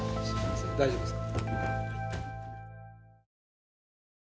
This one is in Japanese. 大丈夫ですか？